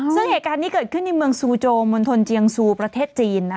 ซึ่งเหตุการณ์นี้เกิดขึ้นในเมืองซูโจมณฑลเจียงซูประเทศจีน